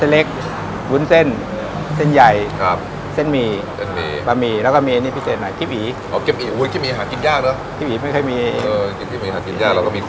รุ่นเส้นเส้นใหญ่ครับเส้นหมีเส้นหมี